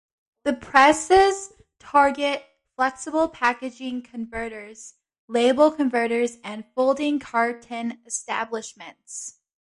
The presses target flexible packaging converters, label converters and folding carton establishments.